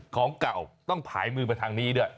ของเก่าต้องผ่ายมือไปทางนี้ด้วย